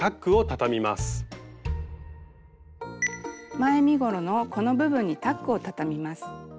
前身ごろのこの部分にタックをたたみます。